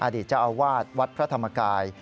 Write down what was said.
อดีตเจ้าอาวาสวัดพระธรรมกาย